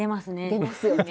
出ますよね。